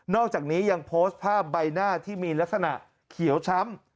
อกจากนี้ยังโพสต์ภาพใบหน้าที่มีลักษณะเขียวช้ำ